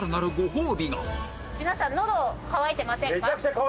皆さんのど渇いてませんか？